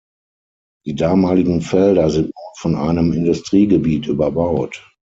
Die damaligen Felder sind nun von einem Industriegebiet überbaut.